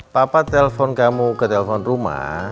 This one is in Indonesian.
papa telpon kamu ke telepon rumah